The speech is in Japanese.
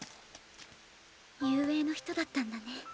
雄英の人だったんだね。